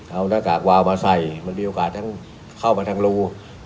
เอาหน้ากากวาวมาใส่มันมีโอกาสทั้งเข้ามาทางรู